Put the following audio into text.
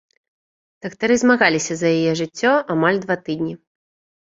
Дактары змагаліся за яе жыццё амаль два тыдні.